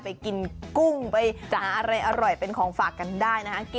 ไปจานอะไรหรอกเป็นของฝากกันได้นะ